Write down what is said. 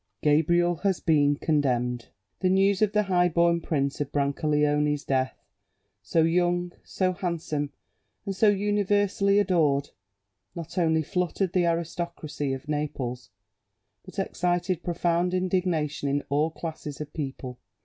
Gabriel has been condemned. The news of the high born Prince of Brancaleone's death, so young, so handsome, and so universally adored, not only fluttered the aristocracy of Naples, but excited profound indignation in all classes of people.